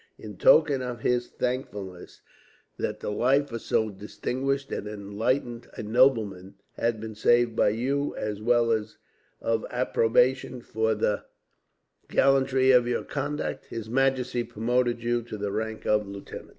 In token of his thankfulness, that the life of so distinguished and enlightened a nobleman had been saved by you; as well as of approbation for the gallantry of your conduct, his majesty promoted you to the rank of lieutenant.